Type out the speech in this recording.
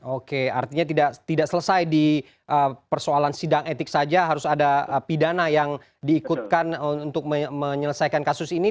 oke artinya tidak selesai di persoalan sidang etik saja harus ada pidana yang diikutkan untuk menyelesaikan kasus ini